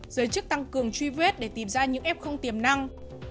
giới chức tăng cường truy vết để tìm ra những ép không tiềm năng